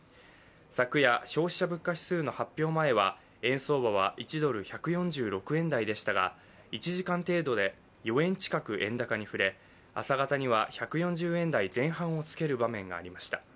昨夜、消費者物価指数の発表前は円相場は１ドル＝１４６円台でしたが１時間程度で４円近く円高に振れ朝方には１４０円台前半をつける場面がありました。